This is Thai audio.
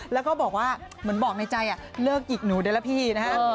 แล้วก็บอกว่าเหมือนบอกในใจเลิกหยิกหนูได้แล้วพี่นะฮะ